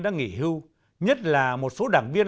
đã nghỉ hưu nhất là một số đảng viên